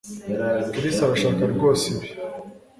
Chris arashaka rwose ibi